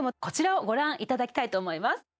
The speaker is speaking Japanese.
こちらをご覧いただきたいと思います